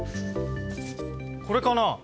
これかな？